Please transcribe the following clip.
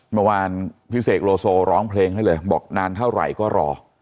เมื่อวานพี่เสกโลโซร้องเพลงให้เลยบอกนานเท่าไหร่ก็รอ